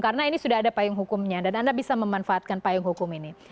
karena ini sudah ada payung hukumnya dan anda bisa memanfaatkan payung hukum ini